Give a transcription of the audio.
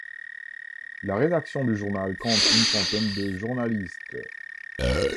La rédaction du journal compte une centaine de journalistes.